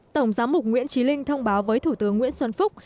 tổng giám mục nguyễn trí linh thông báo với thủ tướng nguyễn xuân phúc